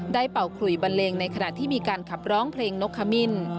เป่าขุยบันเลงในขณะที่มีการขับร้องเพลงนกขมิ้น